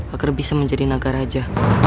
agar bisa menjadi naga raja